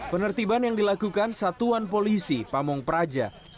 penertiban yang dilakukan satuan polisi pamung praja